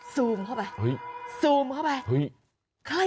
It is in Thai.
ซูมเข้าไปซูมเข้าไป